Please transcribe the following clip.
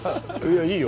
いいよ。